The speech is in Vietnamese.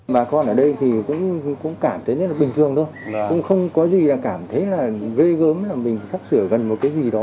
bà con ở đây thì cũng cảm thấy rất là bình thường thôi cũng không có gì là cảm thấy là ghê gớm là mình sắp sửa gần một cái gì đó